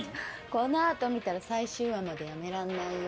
この後見たら最終話までやめらんないよ。